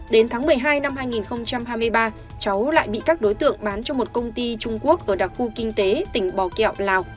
đến tháng một mươi hai năm hai nghìn hai mươi ba cháu lại bị các đối tượng bán cho một công ty trung quốc ở đặc khu kinh tế tỉnh bò kẹo lào